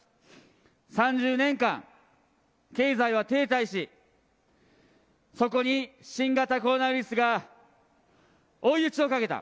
３０年間経済は停滞し、そこに新型コロナウイルスが追い打ちをかけた。